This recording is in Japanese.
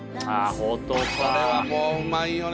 これはもううまいよね。